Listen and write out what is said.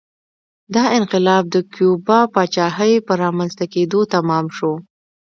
دا انقلاب د کیوبا پاچاهۍ په رامنځته کېدو تمام شو